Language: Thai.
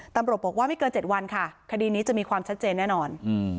ตำรวจบอกว่าไม่เกิน๗วันค่ะคดีนี้จะมีความชัดเจนแน่นอน